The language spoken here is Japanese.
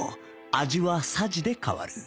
味はさじで変わる